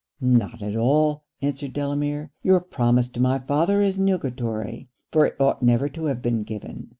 'Not at all,' answered Delamere. 'Your promise to my father is nugatory; for it ought never to have been given.